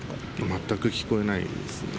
全く聞こえないですね。